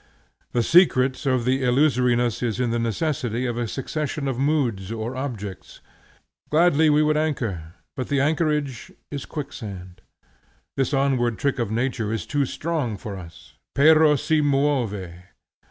The secret of the illusoriness is in the necessity of a succession of moods or objects. Gladly we would anchor, but the anchorage is quicksand. This onward trick of nature is too strong for us: Pero si muove.